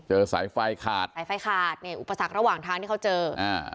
สายไฟขาดสายไฟขาดเนี่ยอุปสรรคระหว่างทางที่เขาเจออ่า